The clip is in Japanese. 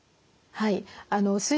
はい。